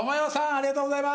ありがとうございます。